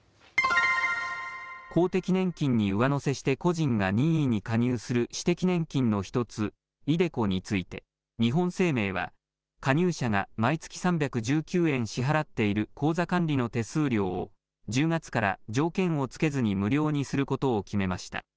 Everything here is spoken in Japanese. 公的年金に上乗せして個人が任意に加入する私的年金の１つ、ｉＤｅＣｏについて日本生命は加入者が毎月３１９円支払っている口座管理の手数料を１０月から条件をつけずに無料にすることを決めました。